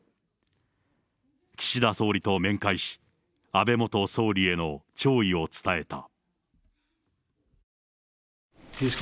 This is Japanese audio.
岸田総理と面会し、安倍元総理への弔意を伝えた。